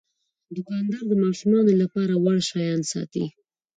دوکاندار د ماشومانو لپاره وړ شیان ساتي.